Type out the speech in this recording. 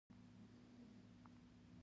د هغو له فکر او نظر څخه مو خبروي.